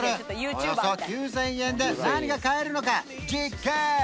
およそ９０００円で何が買えるのか実験！